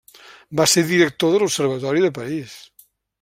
Va ser director de l'Observatori de París.